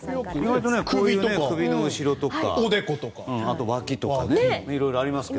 意外と首の後ろとかおでことか、わきとかいろいろありますが。